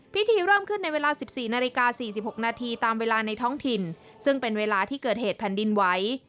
พิธีเริ่มขึ้นในเวลา๑๔นาฬิกา๔๖นาทีตามเวลาในท้องถิ่นซึ่งเป็นเวลาที่เกิดเหตุแผ่นดินไหว